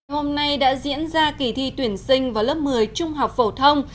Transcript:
hôm nay đã diễn ra kỳ thi tuyển sinh vào lớp một mươi trung học phổ thông